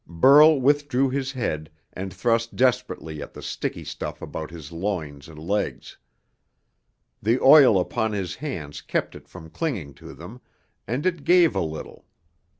Burl withdrew his head and thrust desperately at the sticky stuff about his loins and legs. The oil upon his hands kept it from clinging to them, and it gave a little.